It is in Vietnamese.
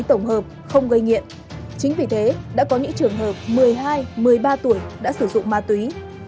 tổng hợp không gây nghiện chính vì thế đã có những trường hợp một mươi hai một mươi ba tuổi đã sử dụng ma túy